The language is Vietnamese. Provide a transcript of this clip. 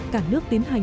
cả nước tiến hành